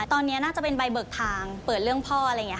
ตอนนี้น่าจะเป็นใบเบิกทางเปิดเรื่องพ่ออะไรอย่างนี้ค่ะ